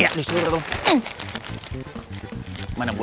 yaudah aku datang sama siapa